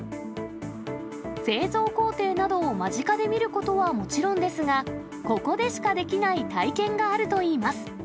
製造工程などを間近で見ることはもちろんですが、ここでしかできない体験があるといいます。